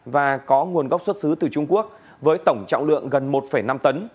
và có nguồn gốc xuất xứ từ trung quốc với tổng trọng lượng gần một năm tấn